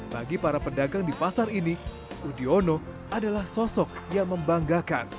bagi para pedagang di pasar ini udiono adalah sosok yang membanggakan